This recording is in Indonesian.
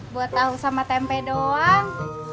buat tahu sama tempe doang